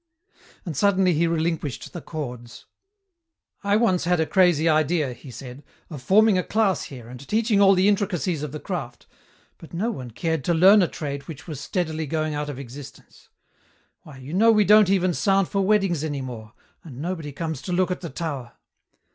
And suddenly he relinquished the cords. "I once had a crazy idea," he said, "of forming a class here and teaching all the intricacies of the craft, but no one cared to learn a trade which was steadily going out of existence. Why, you know we don't even sound for weddings any more, and nobody comes to look at the tower.